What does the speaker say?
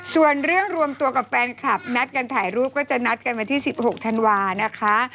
ส่วนเรื่องรวมตัวกับแฟนคลับนัดกันถ่ายรูปก็จะนัดกันวันที่๑๖ธันวานะคะ